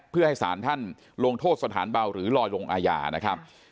เพื่อให้สารท่านลงโทษสถานเบาหรือลอยลงอาญานะครับ